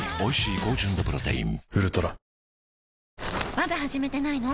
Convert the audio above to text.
まだ始めてないの？